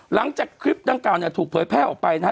หลังจากคลิปด้านกลางถูกเผยแพร่ออกไปนะฮะ